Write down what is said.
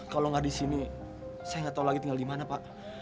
kalau gak disini saya gak tau lagi tinggal dimana pak